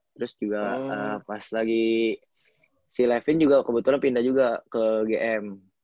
terus juga pas lagi si levin juga kebetulan pindah juga ke gm